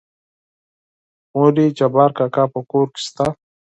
مورې جبار کاکا په کور کې شته؟